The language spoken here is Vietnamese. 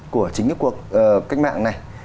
của chính cái cuộc khách mạng này